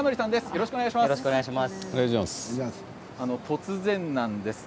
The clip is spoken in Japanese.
よろしくお願いします。